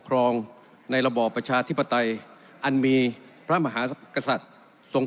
ครองในระบอประชาธิปัตัยอันมีพระมหาสัตสง